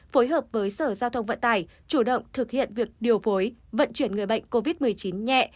phối hợp với sở giao thông vận tải chủ động thực hiện việc điều phối vận chuyển người bệnh covid một mươi chín nhẹ